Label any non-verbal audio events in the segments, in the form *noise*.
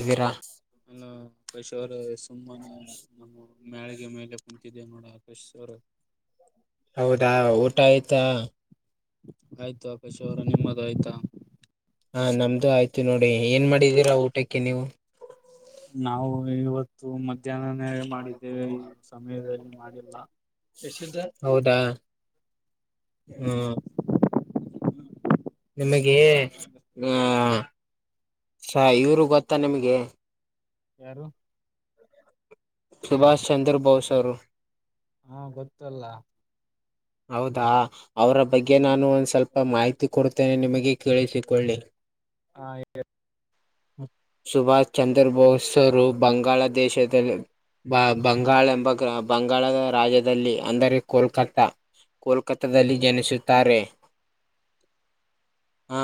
ಇದೀರಾ ಅಲ್ಲ *unintelligible* *unintelligible* ಸುಮ್ಮನೆ ನಮ್ಮ ಮ್ಯಾಳಿಗೆ ಮೇಲೆ ನಿಂತಿದೆ ನೋಡ *unintelligible* ಹೌದಾ ಊಟ ಆಯ್ತಾ. ಆಯ್ತು ಆಕಾಶವ್ರೆ ನಿಮ್ಮದು ಆಯ್ತಾ. ಹಾ ನಮ್ದು ಆಯ್ತು ನೋಡಿ ಏನ್ ಮಾಡಿದೀರಾ ಊಟಕ್ಕೆ ನೀವು. ನಾವು ಇವತ್ತು ಮಧ್ಯಾಹ್ನನೇ. ಮಾಡಿದ್ದೇವೆ ಪಾನಿಪುರಿ ಈ ಸಮಯದಲ್ಲಿ ಮಾಡಿಲ್ಲ *unintelligible* ಹೌದಾ. ಹ್ಮ್ ನಿಮಗೆ ಯಾಕಂದ್ರೆ ಆ. ಸ ಇವರು ಗೊತ್ತಾ ನಿಮ್ಗೆ. ಯಾರು. ಸುಭಾಷ್ ಚಂದ್ರ ಬೋಸ್ ಅವರು. ಹಾ ಗೊತ್ತಲ್ಲ. ಹೌದಾ. ಅವರ ಬಗ್ಗೆ ನಾನು ಒಂದ್ ಸ್ವಲ್ಪ ಮಾಹಿತಿ ಕೊಡ್ತೇನೆ ನಿಮಗೆ ಕೇಳಿಸಿಕೊಳ್ಳಿ. ಹಾ ಹೇಳಿ. ಸುಭಾಷ್ ಚಂದ್ರ ಬೋಸ್ರು ಬಂಗಾಳ ದೇಶದ. ಬ ಬಂಗಾಳ ಎಂಬ ಗ್ರಾ ಬಂಗಾಳದ ರಾಜ್ಯದಲ್ಲಿ ಅಂದರೆ ಕೋಲ್ಕತ್ತಾ. ಕೋಲ್ಕತ್ತಾದಲ್ಲಿ ಜನಿಸುತ್ತಾರೆ ಹಾ.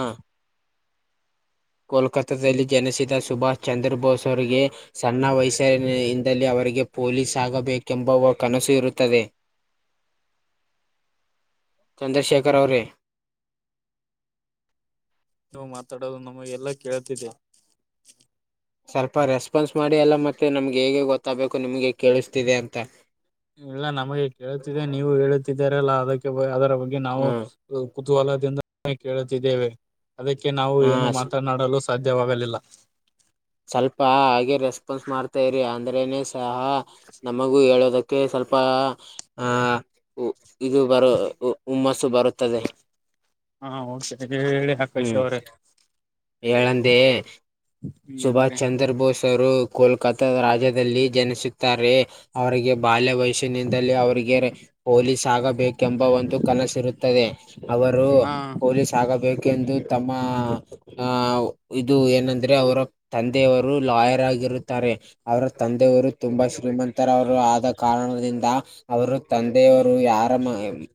ಕೋಲ್ಕತ್ತಾದಲ್ಲಿ ಜನಿಸಿದ ಸುಭಾಷ್ ಚಂದ್ರ ಬೋಸ್ ಅವರಿಗೆ. ಸಣ್ಣ ವಯಸ್ಸರಿನಿಂದಲೆ ಅವರಿಗೆ ಪೊಲೀಸ್ ಆಗಬೇಕೆಂಬ ಕನಸು ಇರುತ್ತದೆ. ಚಂದ್ರಶೇಖರ ಅವರೇ. ನೀವು ಮಾತಾಡೋದು ನಮಗೆಲ್ಲಾ ಕೇಳ್ತಿದೆ. ಸ್ವಲ್ಪ ರೆಸ್ಪಾನ್ಸ್ ಮಾಡಿ ಎಲ್ಲ ಮತ್ತೆ ನಮ್ಗೆ ಹೇಗೆ ಗೊತ್ತಾಗ್ಬೇಕು ನಿಮ್ಗೆ ಕೇಳಿಸ್ತಿದೆ ಅಂತ. ಇಲ್ಲ ನಮಗೆ ಕೇಳುತ್ತಿದೆ ನೀವು ಹೇಳುತ್ತಿದ್ದರಲ್ಲ ಅದಕ್ಕೆ ಅದರ ಬಗ್ಗೆ ನಾವು. ಹ್ಮ್ ಕುತೂಹಲದಿಂದ ಕೇಳುತ್ತಿದ್ದೇವೆ ಅದಕ್ಕೆ ನಾವು ಹಾ ಏನು ಮಾತನಾಡಲು ಸ್ ಸಾಧ್ಯವಾಗಲಿಲ್ಲ. ಸ್ವಲ್ಪ ಹಾಗೆ ರೆಸ್ಪಾನ್ಸ್ ಮಾಡ್ತಾ ಇರಿ ಅಂದ್ರೇನೆ ಸಹ ನಮಗೂ ಹೇಳೋದಕ್ ಕ್ಕೆ ಸ್ವಲ್ಪ ಆ. ಇ ಇದು ಬರ ಉ ಉಮ್ಮಸ್ಸು ಬರುತ್ತದೆ. ಹ ಸಕತಾಗ್ ಹೇಳಿ ಆಕಾಶ್ ಅವ್ರೆ. ಏಳಂದಿ ಸುಭಾಷ್ ಹೇಳ್ರಿ ಚಂದ್ರ ಬೋಸ್. ಅವ್ರು ಕೋಲ್ಕತಾ ರಾಜ್ಯದಲ್ಲಿ ಜನಿಸುತ್ತಾರೆ ಅವರಿಗೆ ಬಾಲ್ಯ ವಯಸ್ ನಿಂದಲೆ ಅವರಿಗೆ ಹೋಲೀಸ್ ಆಗಬೇಕೆಂಬ ಒಂದು ಕನಸಿರುತ್ತದೆ. ಅವರು ಹಾ ಪೊಲೀಸ್ ಆಗಬೇಕೆಂದು ತಮ್ಮ ಆ ಇದು ಏನಂದ್ರೆ ಅವರ. ತಂದೆಯವರು ಲಾಯರ್ ಆಗಿರುತ್ತಾರೆ. ಅವರ ತಂದೆಯವರು ತುಂಬಾ ಶ್ರೀಮಂತರವರು ಆದ ಕಾರಣದಿಂದ. ಅವರು ತಂದೆಯವರು ಯಾರಮ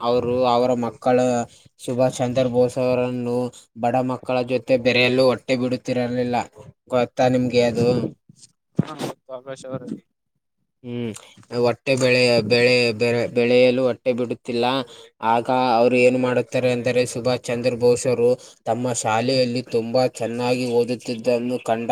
ಅವರು ಅವರ ಮಕ್ಕಳ. ಸುಭಾಷ್ ಚಂದ್ರ ಬೋಸ್ ಅವರನ್ನು. ಬಡ ಮಕ್ಕಳ ಜೊತೆ ಬೆರೆಯಲ್ಲೂ ಒಟ್ಟೆ ಬಿಡುತ್ತಿರಲಿಲ್ಲ. ಗೊತ್ತಾ ನಿಮ್ಗೆ ಅದು. ಹಾ ಗೊತ್ತು ಆಕಾಶ್ ಅವ್ರೆ. ಹ್ಮ್ ಒಟ್ಟೆ ಬೆಳೆ ಬೆಳೆ ಬೆ ಬೆಳೆಯಲು ಒಟ್ಟೆ ಬಿಡುತ್ತಿಲ್ಲ. ಆಗ ಅವ್ರು ಏನು ಮಾಡುತ್ತಾರೆ ಅಂದರೆ ಸುಭಾಷ್ ಚಂದ್ರ ಬೋಸ್ ಅವರು ತಮ್ಮ ಶಾಲೆಯಲ್ಲಿ. ತುಂಬಾ ಚೆನ್ನಾಗಿ ಓದುತ್ತಿದ್ದನ್ನು. ಕಂಡ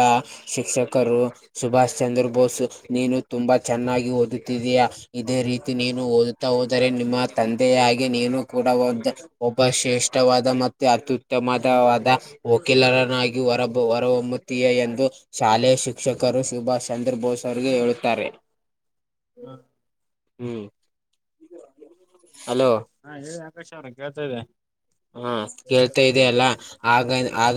ಶಿಕ್ಷಕರು ಸುಭಾಷ್ ಚಂದ್ರ ಬೋಸ್ ನೀನು ತುಂಬಾ ಚೆನ್ನಾಗಿ ಓದ ತಿದಿಯ ಇದೇ ರೀತಿ ನೀನು ಓದುತ್ತಾ ಹೋದರೆ ನಿಮ್ಮ ತಂದೆಯಾಗೆ ನೀನು ಕೂಡ ಒಂದು ಒಬ್ಬ ಶ್ರೇಷ್ಠವಾದ ಮತ್ತೆ ಅತ್ಯುತ್ತಮ ತವಾದ ವಕೀಲರನ್ನಾಗಿರ ಹೊರಬ ಹೊರ ಹೊಮ್ಮು ತಿಯ ಎಂದು ಶಾಲೆಯ ಶಿಕ್ಷಕರು ಸುಭಾಷ್ ಚಂದ್ರ ಬೋಸ್ ಅರ್ರಿಗೆ ಹೇಳುತ್ತಾರೆ ಹ್ಮ್ *inaudible* ಅಲೋ ಹಾ ಹೇಳಿ ಆಕಾಶ ಅವರೆ ಕೇಳ್ತಾ ಇದ್ದೆ ಹ ಕೇಳ್ತಾ ಇದೆ ಅಲ್ಲ ಆಗ ಆಗ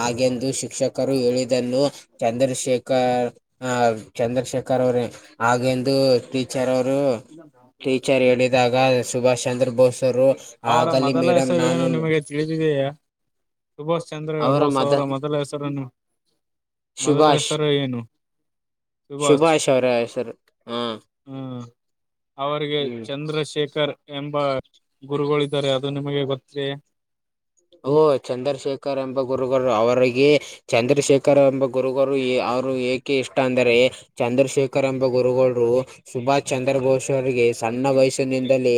ಹಾಗೆಂದು ಶಿಕ್ಷಕರು ಹೇಳಿದನ್ನು ಚಂದ್ರಶೇಖರ್ ಚಂದ್ರಶೇಖರ್ ಅವ್ರೇ ಹಾಗೆಂದು ಟೀಚರ್ ಅವರು ಟೀಚರ್ ಹೇಳಿದಾಗ ಸುಭಾಷ್ ಚಂದ್ರ ಬೋಸ್ರು ಅವರ ಆಗಲಿ ಮೊದಲ ಮೇ ಹೆಸರು ಏನು ನಿಮಗೆ ತಿಳಿದಿದೆಯ ಸುಭಾಷ್ ಚಂದ್ರ ಬೋಸ್ ಅವರ ಮೊದಲ ಹೆಸರನ್ನು ಮೊದಲ ಸುಭಾಷ್ ಹೆಸರ ಏನು ಸುಭಾಚ್ ಸುಭಾಷ್ ಅವರ ಹೆಸರು ಹಾ ಹ್ಮ್ ಅವರಿಗೆ ಚಂದ.. ಹ್ಮ್ ಚಂದ್ರಶೇಖರ್ ಎಂಬ ಗುರುಗಳು ಇದ್ದಾರೆ ಅದು ನಿಮಗೆ ಗೊತ್ತೇ ಓ ಚಂದ್ರಶೇಖರ್ ಎಂಬ ಗುರುಗಳು ಅವರಿಗೆ ಚಂದ್ರಶೇಖರ್ ಎಂಬ ಗುರುಗರು ಅವ್ರು ಏಕೆ ಇಷ್ಟ ಅಂದರೆ ಚಂದ್ರಶೇಖರ್ ಎಂಬ ಗುರುಗಳೂ ಸುಭಾಷ್ ಚಂದ್ರ ಬೋಸ್ ಅವರಿಗೆ ಸಣ್ಣ ವಯಸ್ಸಿನಿಂದಲೇ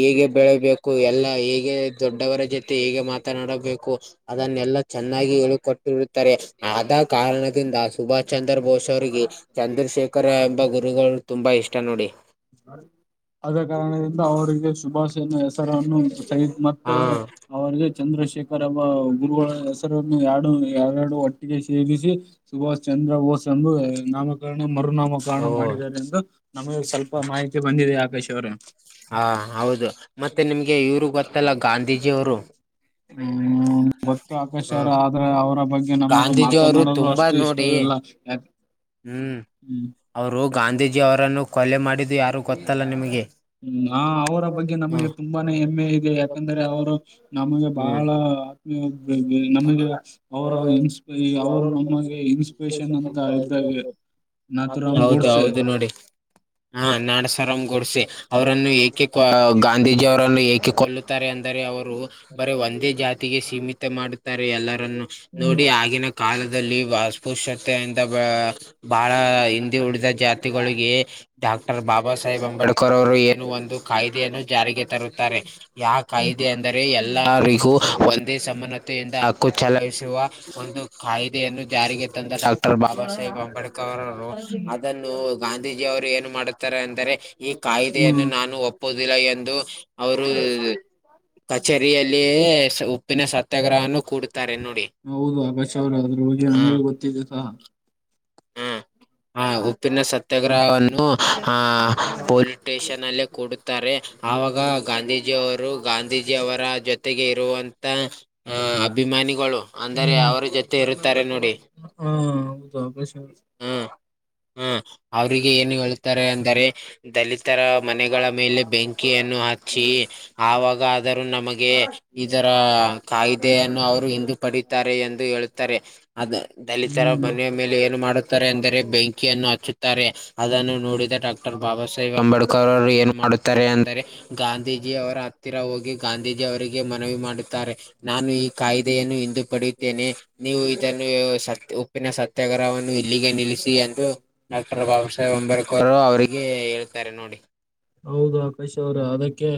ಹೇಗೆ ಬೆಳಬೇಕು ಕು ಎಲ್ಲಾ ಹೇಗೆ ದೊಡ್ಡವರ ಜೊತೆ ಹೇಗೆ ಮಾತನಾಡಬೇಕು ಅದನ್ನೆಲ್ಲಾ ಚೆನ್ನಾಗಿ ಹೇಳಕೊಟ್ಟಿರುತ್ತಾರೆ ಆದ ಕಾರಣದಿಂದ ಸುಭಾಷ್ ಚಂದ್ರ ಬೋಸ್ ಅವರಿಗೆ ಚಂದ್ರಶೇಖರ ಎಂಬ ಗುರುಗಳು ತುಂಬಾ ಇಷ್ಟ ನೋಡಿ ಅದೇ ಕಾರಣದಿಂದ ಅವರಿಗೆ ಶುಭಾಷ ಇನ್ನು ಹೆಸರನ್ನು ಸಹಿದ್ ಮತ್ ಹಾ ಅವರಿಗೆ ಚಂದ್ರಶೇಖರ್ ಎಂಬ ಗುರುಗಳ ಹೆಸರನ್ನು ಹಾಡು ಎರಡು ಒಟ್ಟಿಗೆ ಸೇರಿಸಿ ಶುಭಾಶ್ ಚಂದ್ರ ಬೋಸ್ ಎಂದು ನಾಮಕರಣ ಮರುನಾಮ ಓ ಕಾರಣ ಮಾಡಿದ್ದಾರೆ ಎಂದು ನಮಗೆ ಸ್ವಲ್ಪ ಮಾಹಿತಿ ಬಂದಿದೆ ಆಕಾಶ್ ಅವರೆ ಹ ಹೌದು ಮತ್ತೆ ನಿಮ್ಗೆ ಇವರು ಗೊತ್ತಲ್ಲ ಗಾಂಧೀಜಿಯವರು ಹ್ಮ್ ಗೊತ್ತು ಆಕಾಶ್ *unintelligible* ಹಾ ಅವರ ಅವರ ಬಗ್ಗೆ ನಮಗೆ ಮಾತಾನಾಡಲು ತುಂಬಾ ಅಷ್ಟು ಇಷ್ಟ ನೋಡಿ ಇಲ್ಲ ಯಾ ಹ್ಮ್ ಹ್ಮ ಅವರು ಗಾಂಧೀಜಿ ಅವರನ್ನು ಕೊಲೆ ಮಾಡಿದ್ದು ಯಾರು ಗೊತ್ತಲ್ಲ ನಿಮಗೆ ಹ್ಮ ಹ ಅವರ ಬಗ್ಗೆ ಹ್ಮ ನಮಗೆ ತುಂಬಾನೇ ಹೆಮ್ಮೆ ಇದೆ ಯಾಕಂದ್ರೆ ಅವರು ನಮಗೆ ಬಾಳ ಆತ್ಮೀಯ ನಮ್ಮ ನಮಗೆ ಅವರು ಅವರ ಇನ್ಸ್ಪೆ ಈಗ ಅವ್ರು ಅವರ ಮುನ್ನ ನಮಗೆ ಇನ್ಸ್ಪೆಷಲ್ ಇನ್ಸ್ಪಿರೇಷನ್ ಅಂತ ಇದ್ದಂತೆ ಇದ್ದ ನಾ ತು ರಾಮ್ ಗೋಡಸ ಹಾ ನಾಡಸರಾಮ್ ಗೋಡ್ಸೆ ಅವರನ್ನು ಏಕೆ ಗಾಂಧೀಜಿಯವರನ್ನು ಏಕೆ ಕೊಳ್ಳುತ್ತಾರೆ ಅಂದರೆ ಅವರು ಬರ ಒಂದೇ ಜಾತಿಗೆ ಸೀಮಿತ ಪೆ ಮಾಡುತ್ತಾರೆ ಎಲ್ಲರನ್ನು ನೋಡಿ ಆಗಿನ ಕಾಲದಲ್ಲಿ ವಾಶುಪುಷ್ತೆ ಇಂದ ವಾ ಬಹಳ ಹಿಂದೆ ಉಳಿದ ಜಾತಿಗಳಿಗಗೇ ಡಾಕ್ಟರ್ ಬಾಬಾ ಸಾಹೇಬ್ ಅಂಬೇಡ್ಕರ್ ಅವರು ಏನು ಒಂದು ಕಾಯ್ದೆಯನ್ನು ಜಾರಿಗೆ ತರುತ್ತಾರೆ ಯಾ ಕಾಯ್ದ ಅಂದರೆ ಎಲ್ಲರಿಗೂ ಒಂದೇ ಸಮಾನತೆಯಿಂದ ಹಕ್ಕು ಚಲಾಯಿಸುವ ಒಂದು ಕಾಯ್ದೆಯನ್ನು ಜಾರಿಗೆ ತಂದ ಡಾಕ್ಟರ್ ಬಾಬಾ ಸಾಹೇಬ್ ಅಂಬೇಡ್ಕರ್ರವರು ಅದನ್ನು ಗಾಂಧೀಜಿ ಅವರು ಏನು ಮಾಡುತ್ತಾರೆ ಅಂದರೆ ಈ ಕಾಯ್ದೆಯನ್ನು ಹ್ಮ್ ನಾ ನಾನು ಒಪ್ಪುದಿಲ್ಲ ಎಂದು ಅವರೂ ಕಚೇರಿಯಲ್ಲಿ ಸ್ ಉಪ್ಪಿನ ಸತ್ತ್ ಹೌದು ಆಕಾಶ ಅವರೆ ಆದ್ರೂ ಬಗ್ಗೆ ನಂಗೂ ಗೊತ್ತಿದೆ ಸಹಾ ಹ್ಮ ಹ ಉಪ್ಪಿನ ಸತ್ಯಾಗ್ರಹವನ್ನು ಹಾ ಪೊಲೀಸ್ ಸ್ಟೇಷನ್ ಅಲ್ಲೇ ಕೂಡುತ್ತಾರೆ ಆವಾಗ ಗಾಂಧೀಜಿಯವರು ಗಾಂಧೀಜಿ. ಜವರಾಜನ್ ತೆಗೆ ಇರುವಂತ ಅಭಿಮಾನಿಗಳು ಅಂದರೆ ಅವರ ಜೊತೆ ಇರುತ್ತಾರೆ ನೋಡಿ. ಹ್ಮ್ ಹೌದು ಆಕಾಶ್ ಅವ್ರೆ. ಹ್ಮ್ ಹ ಅವ್ರಿಗೆ ಏನು ಹೇಳುತ್ತಾರೆ ಅಂದರೆ ದಲಿತರ ಮನೆಗಳ ಮೇಲೆ ಬೆಂಕ್ ಕೆಯನ್ನು ಹಚ್ಚಿ ಆವಾಗ ಆದರೂ ನಮಗೆ. ಇದರ ಕಾಯ್ದೆಯನ್ನು ಅವರು ಹಿಂದು ಪಡೆಯುತ್ತಾರೆ ಎಂದು ಹೇಳುತ್ತಾರೆ ಅದು ದಲಿತ್ ತರ ಮನೆಯ ಹ್ಮ್ ಮೇಲೆ ಏನು ಮಾಡುತ್ತಾರೆ ಅಂದರೆ ಬೆಂಕಿಯನ್ನು ಹಚ್ಚುತ್ತಾರೆ ಅದನ್ನು ನೋಡಿದ ಡಾ ಕ್ಟರ್ ಬಾಬಾ ಸಾಹೇಬ್ ಅಂಬೇಡ್ಕರ್ ಅವರು ಏನ್ ಮಾಡುತ್ ತೆರೆ ಅಂದರೆ ಗಾಂಧೀಜಿ ಅವರ ಹತ್ತಿರ ಹೋಗಿ ಗಾಂಧೀಜಿ ಅವರಿಗೆ ಗಾಂಧೀಜಿಯವರಿಗೆ ನಾನು ಮನವಿ ಮಾಡುತ್ತಾರೆ. ನಾನು ಈ ಕಾಯ್ದೆಯನ್ನು ಹಿಂದು ಪಡೆಯುತ್ತೇನೆ ನೀವು ಇದನ್ನು ಸತ್ ಪ್ಪಿನ ಸತ್ಯಾಗರವನ್ನು ಇಲ್ಲಿಗೆ ನಿಲ್ಲಿಸಿ ಎಂದು. ಡಾಕ್ಟರ್ ಬಾಬಾ ಸಾಹೇಬ್ ಅಂಬೇಡ್ಕರ್ ಅವ್ರಿಗೆ ಹೇಳ್ತತ್ತಾರೆ ನೋಡಿ. ಹೌದು ಅಕಾಶ್ ಅವ್ರ ಅದಕ್ಕೆ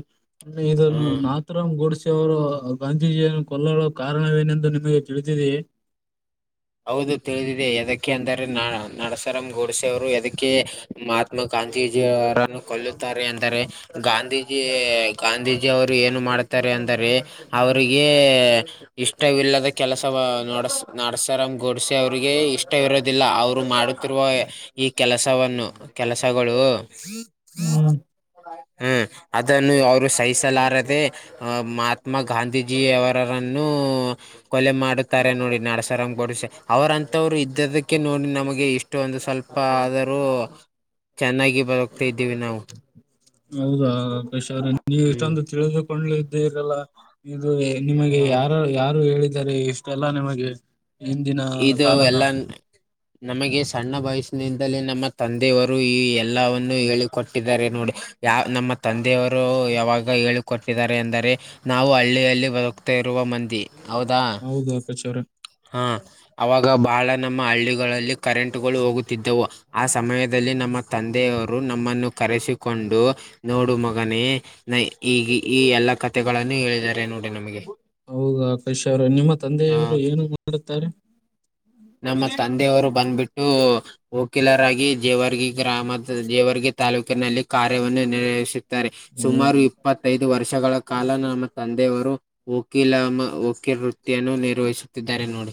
ಇದನ್ನು ನಾ ಹ್ಮ್ ನಾತರಾಮ್ ಗೋಡಿಸೆ ಅವರು ಗಾಂಧೀಜಿಯರನ್ನು ಕೊಲ್ಲಲು ಕಾರಣವೇನೆಂದು ನಿಮಗೆ ತಿಳಿದಿದೆಯೇ. ಹೌದು ಇದಕ್ಕೆ ನಾನು ತಿಳಿದಿದೆ ನಾಥರಾಮ್ ಯದಕ್ಕೆ ಅಂದರೆ ನ ನರಸರಾಮ್ ಗೋಡಸೆ ಅವರು ಗೋಡ್ಸೆ ಯದಕ್ಕೆ ಮಾ ತ್ಮ ಅವರು ಅದಕ್ಕೆ ಮಹಾತ್ಮ ಗಾಂಧೀಜಿಯವರನ್ನು ಕೊಲ್ಲುತ್ತಾರೆ ಎಂದರೆ. ಗಾಂಧೀಜಿಯವರ ಗಾಂಧೀಜಿ ಗಾಂಧೀಜಿ ಅವರು ಏನು ಮಾಡುತ್ತಾರೆ ಅಂದರೆ. ಅವರಿಗೆ ಇಷ್ಟವಿಲ್ಲದ ಕೆಲಸವ ನಡಸ್ ನಡಸ್ ತರಮ್ ಗೋಡಿಸಿ ಅವರಿಗೆ ಇಷ್ಟವಿರೋದಿಲ್ಲ ಅವ್ರು ಮಾಡುತ್ತಿರುವ ಈ ಕೆಲಸವನ್ನು. ಕೆಲಸಗಳು. ಹ್ಮ್ *unintelligible* ಹ್ಮ್ ಅದನ್ನು ಅವರು ಸಹಿಸಲಾರದೆ ಮಾತ್ ತ್ಮ ಘಾಂಧೀಜಿ ಅವರರನ್ನು ಕೊಲೆ ಮಾಡುತ್ತಾರೆ ನೋಡಿ ನಡಸ ಗೋಡ್ಸೆ ಅವರಂತವ್ರು ಇದ್ದಿದಕ್ಕೆ ನೋಡಿ ನಮಗೆ ಇಷ್ಟ ಒಂದು ಸ್ವಲ್ಪ ಆದರೂ. ಚೆನ್ನಾಗಿ ಬದುಕ್ತಾದ್ದೀವಿ ನಾವು. ಹೌದಾ ಆಕಾಶವ್ರೆ ನೀವು ಹ್ಮ್ ಎಷ್ಟಂದು ತಿಳಿದುಕೊಂಡಿದ್ದ ಇರಲ್ಲ ಇದು ನಿಮಗೆ ಯಾರ ಯಾರು ಹೇಳಿದಾರೆ ಇಷ್ ಟೆಲ್ಲ ನಿಮಗೆ ಹಿಂದಿನ ಇದು ಕಾಲದ. ಎಲ್ಲ ನಮಗೆ ಸಣ್ಣ ವಯಸ್ಸಿನಿಂದಲೇ ನಮ್ಮ ತಂದೆಯವರು ಈ ಎಲ್ಲವನ್ನು ಹೇಳಿಕೊಟ್ಟಿದಾರೆ ನೋಡಿ. ಯಾವ್ ನಮ್ಮ ತಂದೆಯವರು ಯಾವಾಗ ಹೇಳಿಕ ಕೊಟ್ಟಿದಾರೆ ಎಂದರೆ ನಾವು ಹಳ್ಳಿಯಲ್ಲಿ ಬ ದುಕ್ತಾ ಇರುವ ಮಂದಿ ಹೌದಾ. ಹೌದು ಆಕಾಶವ್ರೆ. ಹಾ ಅವಾಗ ಬಹಳ ನಮ್ಮ ಹಳ್ಳಿಗಳಲ್ಲಿ ಕರೆಂಟುಗಳು ಹೋಗುತ್ತಿದ್ದವು. ಆ ಸಮಯದಲ್ಲಿ ನಮ್ಮ ತಂದೆಯವರು ನಮ್ಮನ್ನು ಕರೆಸಿಕೊಂಡು. ನೋಡು ಮಗನೇ ನ ಈಗ ಈ ಎಲ್ಲಾ ಕಥೆಗಳನ್ನು ಹೇಳಿದ್ದಾರೆ ನೋಡಿ ನಮಗೆ. ಹೌದಾ ಆಕಾಶ್ ಅವ್ರೆ ನಿಮ್ಮ ಆ ತಂದೆಯವರು ಏನು ಮಾಡುತ್ತಾರೆ. ನಮ್ಮ ತಂದೆಯವರು ಬಂದ್ಬಿಟ್ಟು. ವಕೀಲರಾಗಿ ಜೇವರ್ಗಿ ಗ್ರಾಮದ ಜೇವರ್ಗಿ ತಾಲೂಕಿನಲ್ಲಿ ಕಾರ್ಯವನ್ನು ನಿರ್ವಹಿಸ ತ್ತಾರೆ ಸುಮಾರು ಹೌದು ಇಪ್ಪತ್ತೈದು ವರ್ಷಗಳ ಕಾಲ ನಮ್ಮ ತಂದೆಯವರು. ವಕೀಲಮ ವಕೀಲ್ ವೃತ್ತಿಯನ್ನು ನಿರ್ವಹಿಸುತ್ತಿದ್ದಾರೆ ನೋಡಿ.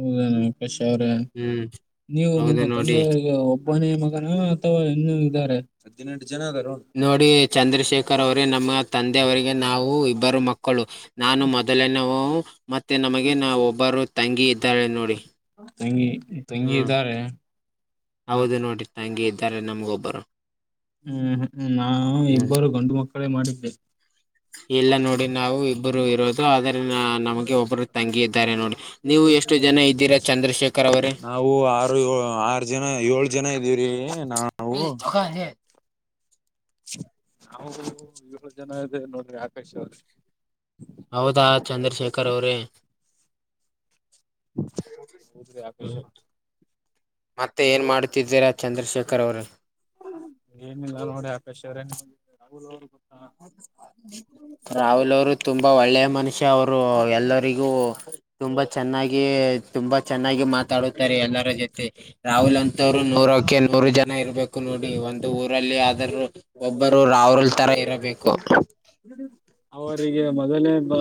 ಹೌದಾ ಆಕಾಶ್ ಅವ್ರೆ ಹ್ಮ್ ನೀವು ಹೌದು ನಿಮ್ಮ ನೋಡಿ ತಂದೆಯವರಿಗೆ ಕೋನೆಯ ಮಗನಾ ಅಥವಾ ಇನ್ನು ಇದಾರೆ ಹದಿನೆಂಟು ಜನ ಅದಾರ್ನೋ ನೋಡಿ ಚಂದ್ರಶೇಖರ್ ಅವ್ರೇ ನಮ್ಮ ತಂದೆ ಅವರಿಗೆ ನಾವು ಇಬ್ಬರು ಮಕ್ಕಳು. ನಾನು ಮೊದಲನವು ಮತ್ತೆ ನಮಗೆ ನಾ ಒಬ್ಬರು ತಂಗ್ ತಂಗಿ ತಂಗಿ ಹ್ಮ್ ಇದ್ದಾರೆ ನ ಹೌದು ನೋಡಿ ತಂಗಿ ಇದ್ದಾರೆ ನಮ್ಗೊ ಒಬ್ಬರು. ಹ್ಮ್ ನಾವು ಇಬ್ಬರು ಗಂಡು ಮಕ್ಕಳೇ ಮಾಡಿದ್ದೇ. ಇಲ್ಲ ನೋಡಿ ನಾವು ಇಬ್ಬರು ಇರೋದು. ಸೊ ಆದರಿನ ನಮಗೆ ಒಬ್ರು ತಂಗಿ ಇದ್ದಾರೆ ನೋಡಿ ನೀವು ಎಷ್ಟು ಜನ ಇದ್ದೀರಾ ಚಂದ್ರಶೇಖರ್ ಅವ್ರೆ. ನಾವು ಆರು ಆರು ಜನ ಏಳ್ ಜನ ಇದೀವ್ರೀ ನೀವು. ಕ *unintelligible* ನಾ ಇಳ ಜನ ಇದೆ ನೋಡ್ರಿ ಆಕಾಶ ಅವ್ರಿ ಹೌದಾ ಚಂದ್ರಶೇಖರ್ ಅವ್ರೇ. ಹೌದ್ರಿ ಆಕಾಶ್ ಹ್ಮ್ ಅವ್ರ ಮತ್ತೆ ಏನು ಮಾಡುತ್ತಿದ್ದೀರಾ ಚಂದ್ರಶೇಖರ್ ಅವರೇ. *unintelligible* ಏನಿಲ್ಲ ನೋಡಿ ಆಕಾಶ್ ಅವರೇ *unintelligible* *unintelligible* ರಾಹುಲ್ ಅವರು ತುಂಬಾ ಒಳ್ಳೆ ಮನುಷ್ಯ ಅವರು ಎಲ್ಲರಿಗೂ ತುಂಬಾ ಚೆನ್ನಾಗಿ ತುಂಬಾ ಚೆನ್ನಾಗಿ ಮಾತಾಡುತ್ತಾರೆ ಎಲ್ಲರ ಜೊತೆ. ರಾಹುಲ್ ಅಂತವ್ರು ನೂರಕ್ಕೆ ನೂರು ಜನ ಇರಬೇಕು ನೋಡಿ ಒಂದು ಊರಲ್ಲಿ ಆದರು. ಒಬ್ಬರು ರಾಹುಲ್ ತರ ಇರಬೇಕು. ಅವರಿಗೆ ಮೊದಲೊಬ್ಬ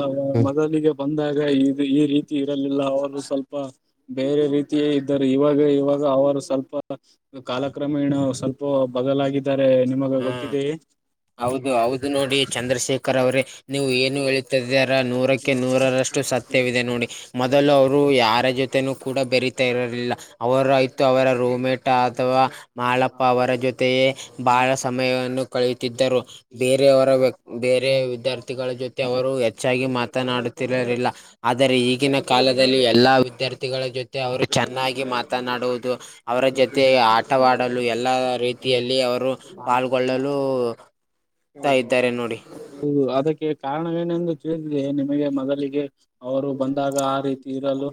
ಮೊದಲಿಗೆ, ಬಂದಾಗ ಇದು ಈ ರೀತಿ ಇರಲಿಲ್ಲ ಅವಾಗು ಸ್ವಲ್ಪ. ಬೇರೆ ರೀತಿಯೇ ಇದ್ದರು ಇವಾಗ ಇವಾಗ ಅವರು ಸ್ವಲ್ಪ. ಕಾಲಕ್ರಮೇಣ ಸ್ವಲ್ಪ ಬದಲಾಗಿದ್ದಾರೆ. ನಿಮಗೆ ಹಾ ಗೊತ್ತಿದೆಯೇ ಹೌದು ಹೌದು ನೋಡಿ ಚಂದ್ರಶೇಖರ್ ಅವ್ರೆ ನೀವು ಏನು ಹೇಳಿ ತದ್ಯಾರ ನೂರಕ್ಕೆ ನೂರರಷ್ಟು ಸತ್ಯವಿದೆ ನೋಡಿ ಮೊದಲು ಅವರು ಯಾರ ಜೊತೆ ತನು ಕೂಡ ಬೆರಿತಾ ಇರ್ಲಿಲ್ಲ. ಅವರು ಆಯ್ತು ಅವರ ರೂಮ ಮೇಟ್ ಅಥವಾ ಮಾಲಪ್ಪ ಅವರ ಜೊತೆಯೇ ಬಹಳ ತಮೆಯನ್ನು ಕಳೆಯುತ್ತಿದ್ದರು ಬೇರೆಯವರ ವ್ಯಕ್ ಬೇರೆೆಯ ವಿದ್ಯಾರ್ಥಿಗಳ ಜೊತೆ ಅವರು ಎ ಹೆಚ್ಚಾಗಿ ಮಾತನಾಡುತ್ತಿರಲಿಲ್ಲ ಆದರೆ ಈಗಿನ ಕಾಲದಲ್ಲಿ ಎಲ್ಲಾ ವಿದ್ಯಾರ್ಥಿಗಳ ಜೊತೆ. ಅವರು ಚೆನ್ನಾಗಿ ಮಾತನಾಡುವುದು ಅವರ ಜೊತೆ ಆಟವಾಡಲು ಎಲ್ಲಾ ರೀತಿ ಎಲ್ಲಿ ಅವರು ಪಾಲ್ಗೊಳ್ಳಲು ತಾ ಇದ್ದಾರೆ ನೋಡಿ. ಹೌದು ಅದಕ್ಕೆ ಕಾರಣವೇನೆಂದು ತಿಳಿದಿದೆಯೇ ನಿಮಗೆ ಮೊದಲಿಗೆ. ಅವರು ಬಂದಾಗ ಆ ರೀತಿ ಇರಲು.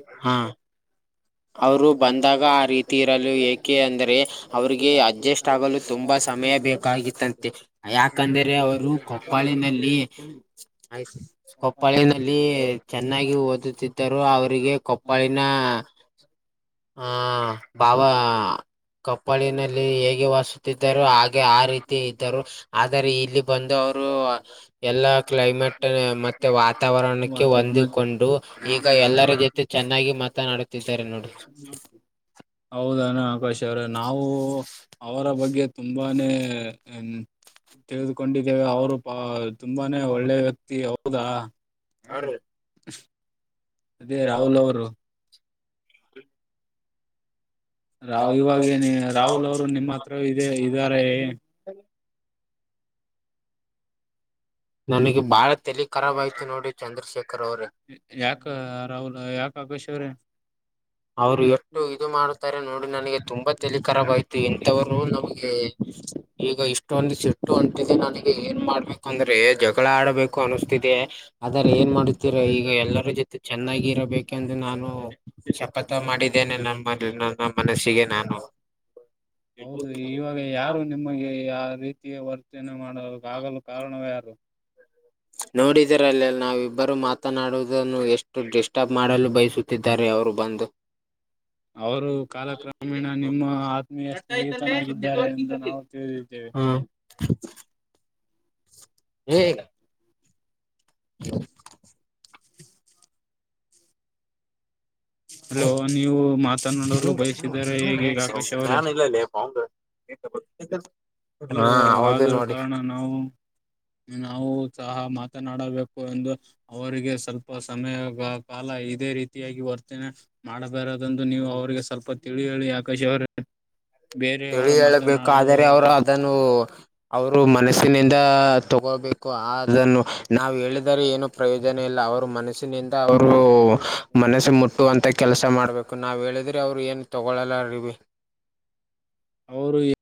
ಅವರು ಬಂದಾಗ ಆ ರೀತಿ ಇರಲು ಏಕೆ ಅಂದರೆ ಅವ್ರಿಗೆ ಅಡ್ಜಸ್ಟ್ ಆಗಲು ತುಂಬಾ ಸಮಯ ಬೇಕು. ತಾಗಿತ್ತಂತೆ ಯಾಕಂದ್ರೆ ಅವರು ಕೊಪ್ಪಳಿನಲ್ಲಿ ಆಯ್ತ ಕೊಪ್ಪಳಿನಲ್ಲಿ ಚೆನ್ನಾಗಿ ಓದುತ್ತಿದ್ದರು ಅವರಿಗೆ ಕೊಪ್ಪಾಳಿನ ಹೋ ಬಾಬ. ಕೊಪ್ಪಳಿನಲ್ಲಿ ಹೇಗೆ ವಾಸಿಸುತ್ತಿದ್ದರು ಹಾಗೆ ಆ ರೀತಿ ಇದ್ದರು. ಆದರೆ ಇಲ್ಲಿ ಬಂದು ಅವರು. ಎಲ್ಲ ಕ್ಲೈಮೇಟ್ ಮತ್ತೆ ವಾತಾವರಣಕ್ಕೆ ವಾತಾವರಣ ಹೊಂದಿಕೊಂಡು ಈಗ ಎಲ್ಲರ ಜೊತೆ ಚೆನ್ನಾಗಿ ಮಾತನಾಡುತ್ತಿದ್ದಾರೆ ನೋಡಿ. ಹೌದಣ ಆಕಾಶ್ ಅವ್ರೆ ನಾವು ಅವಳ ಬಗ್ಗೆ. ತುಂಬಾನೇ ತೆಗೆದುಕೊಂಡಿದ್ದೇವೆ ಅವರು ಪಾ ತುಂಬಾನೇ ಒಳ್ಳೆ ವ್ಯಕ್ತಿ ಹೌದಾ. ಅದೇ ರಾಹುಲ್ ಅವರು. ರಾಹುಲ್ ಇವಗೇನೆ ರಾಹುಲ್ ಅವರು ನಿಮ್ಮ ಹತ್ರ ಇದೇ ಇದರ ಏನು. ತ *unintelligible* ನನಿಗ ಬಾಳ ತಲಿ ಹು ಖರಾಬ್ ಆಯ್ತು ಹು ನೋಡಿ ಚಂದ್ರಶೇಖರ್ ಅವ್ರೆ ಯಾಕ ರಾಹುಲ್ ಯಾಕ ಆಕಾಶ್ ಅವ್ರೇ. ಅವರು ಎಷ್ಟು ಇದು ಮಾಡುತ್ತಾರೆ ನೋಡಿ ನನಗೆ ತುಂಬಾ ತಲಿಕರಾಬಾಯ್ತೆನಿ. ತ್ತವರು ನಮಗೆ ಈಗ ಇಷ್ಟೊಂದು ಸಿಟ್ಟು ಅಂಟಿದೆ ನನಗೆ ಏನ್ ಮಾಡ್ಬೇಕಂದ್ರೆ. ಜಗಳಾ ಆಡಬೇಕು ಅನಿಸ್ತಿದೆ. ಆದರ ಏನ್ ಮಾಡುತ್ತೀರ ಈಗ ಎಲ್ಲರ ಜೊತೆ ಚೆನ್ನಾಗಿ ಇರಬೇಕಂದು ನಾನು ಚೆಪ್. ಪತ ಮಾಡಿದ್ದೇನೆ ನಮ್ಮದು ನನ್ನ ಮನಸ್ಸಿಗೆ ನಾನು. ಹೌದು ಇವಾಗ ಯಾರು ನಿಮ್ಮಗೆ ಆ ರೀತಿಯ ವರ್ತನೆ ಮಾಡ ಆಗಲು ಕಾರಣ ಯಾರು. ನೋಡಿದರಲ್ಲ ನಾವಿಬ್ಬರು ಮಾತನಾಡುವುದನ್ನು ಎಷ್ಟು ಡಿಸ್ಟರ್ಬ್ ಮಾಡಲು ಬಯಸು ತ್ತಿದ್ದಾರೆ ಅವರು ಬಂದ. ಅವರು ಕಾಲಕ್ರಮೇಣ ನಿಮ್ಮ ಆತ್ಮೀಯ ಸ್ನೇಹಿತನಾಗಿದ್ದಾರೆ ಎಂದು ನಾವು ತಿಳಿದ್ದೇವೆ. ಟಕ್ ಟಕ್ ಈಗ. ಹು ಹೆ ಹಲೋ ನೀವು ಮಾತನಾಡಲು ಹಂಗಾ ಬಯಸಿದರೆ ಹೇಗೆ ಏಕ್ ಸೌ ಆಕಾಶ್ ಅವರೇ ದ್ನಾನ ಇಲ್ಲ ಲೆ ಪೌಂಡ್. ಬಕ್ ಬೇಕಂತ ಹಲೋ ಹಾ ಹೌದ ಆದ ನೋಡಿ. ಕಾರಣ ನಾವು ನಾವು ಸಹಾ ಮಾತನಾಡಬೇಕು ಎಂದು. ಅವರಿಗೆ ಸ್ವಲ್ಪ ಸಮಯಗ ಕಾಲ ಇದೇ ರೀತಿಯಾಗಿ ವರ್ತನೆ. ಮಾಡಬಾರದಂದು ನೀವು ಅವರಿಗೆ ಸ್ವಲ್ಪ ತಿಳಿ ಹೇಳಿ ಆಕಾಶ ಅವರೆ. ಬೇರೆಯವರ ಮಾತನಾಡುವದು. ನೂರ್ ಅವರು ಮನಸ್ಸಿನಿಂದ ತಗೋಬೇಕು ಆದನ್ನು ನಾವು ಹೇಳಿದರೆ ಏನು. ಪ್ರಯೋಜನ ಇಲ್ಲಾ ಅವರು ಮನಸ್ಸಿನಿಂದ ಅವರು ಮನಸ್ಸು ಮುಟ್ಟುವಂತ ಕೆಲಸ ಮಾಡ್ಬೇಕು. ಕು ನಾವು ಹೇಳಿದ್ರೆ ಅವರು ಏನು ತಗೊಳಲ್ಲಾರಳಿ ಬೈ. ಅವರು ಎ